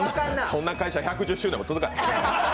そんな会社、１１０周年も続かへん。